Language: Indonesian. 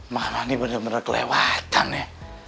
mana ini bener bener kelewatannya